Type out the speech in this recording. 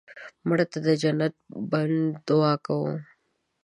مړه ته د جنت بڼ دعا کوو